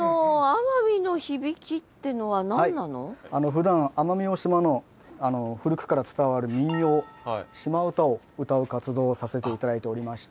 ふだん奄美大島の古くから伝わる民謡シマ唄を歌う活動をさせて頂いておりまして。